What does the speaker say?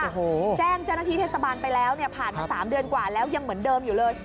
โอ้โหแจ้งเจ้าหน้าที่เทศบาลไปแล้วเนี่ยผ่านมา๓เดือนกว่าแล้วยังเหมือนเดิมอยู่เลย